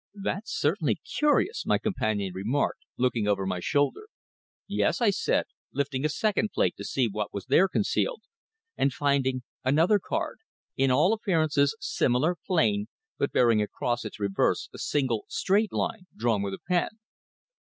"That's certainly curious," my companion remarked, looking over my shoulder. "Yes," I said, lifting a second plate to see what was there concealed, and finding another card, in all appearances similar, plain, but bearing across its reverse a single straight line drawn with a pen.